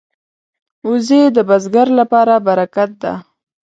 وزې د بزګر لپاره برکت ده